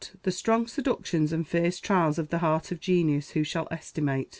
"The strong seductions and fierce trials of the heart of genius who shall estimate?